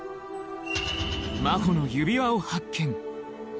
真帆の指輪を発見